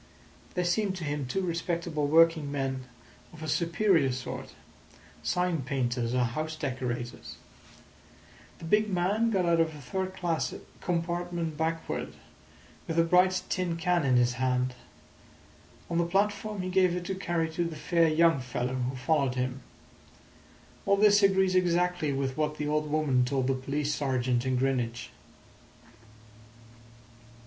They seemed to him two respectable working men of a superior sort—sign painters or house decorators. The big man got out of a third class compartment backward, with a bright tin can in his hand. On the platform he gave it to carry to the fair young fellow who followed him. All this agrees exactly with what the old woman told the police sergeant in Greenwich."